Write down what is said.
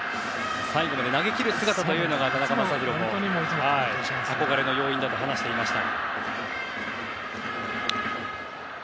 最後まで投げ切る姿が田中将大も憧れの要因だと話していました。